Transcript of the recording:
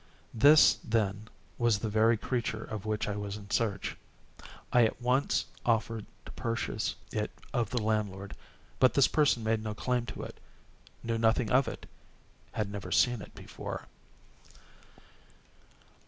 This, then, was the very creature of which I was in search. I at once offered to purchase it of the landlord; but this person made no claim to it—knew nothing of it—had never seen it before.